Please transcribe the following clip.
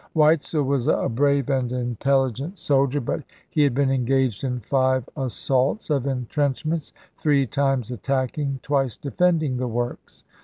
Weitzel was a brave and intelligent soldier, but he had been engaged in five assaults of intrench ments, three times attacking, twice defending the weitzei, works.